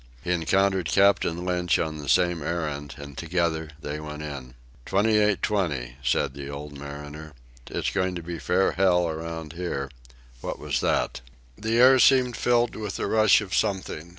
He encountered Captain Lynch on the same errand and together they went in. "Twenty eight twenty," said the old mariner. "It's going to be fair hell around here what was that?" The air seemed filled with the rush of something.